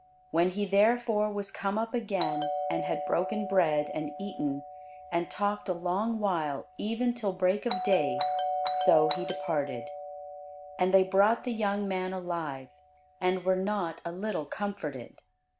When he therefore was come up again, and had broken bread, and eaten, and talked a long while, even till break of day, so he departed. And they brought the young man alive, and were not a little comforted.